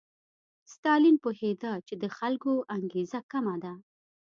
ستالین پوهېده چې د خلکو انګېزه کمه ده.